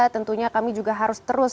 tentunya kami juga harus terus